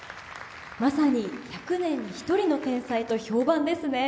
まさに百年に一人の天才と評判ですね。